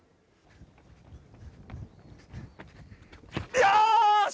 よし！